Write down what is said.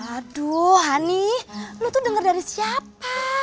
aduh hani lo tuh denger dari siapa